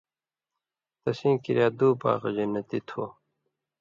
تسیں کِریا دُو باغہ (جنتی) تھو۔